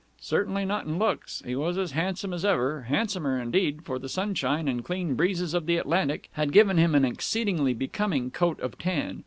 Certainly not in looks. He was as handsome as ever handsomer, indeed, for the sunshine and clean breezes of the Atlantic had given him an exceedingly becoming coat of tan.